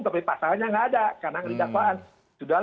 tapi pasalnya tidak ada